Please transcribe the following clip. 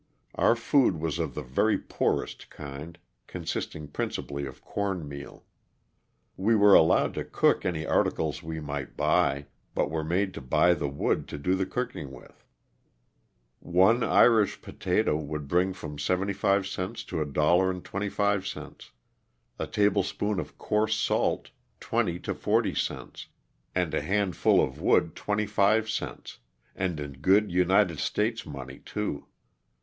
Our food was of the very poorest kind, consisting principally of corn meal. We were allowed to cook any articles we might buy, but were made to buy the wood to do the cooking with. One Irish potato would bring from ?5 cents to $1.25 — a tablespoonful of coarse salt 20 to 40 cents and a handful of wood 25 cents, and in good United States money, too.